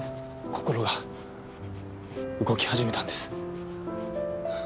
心が動き始めたんです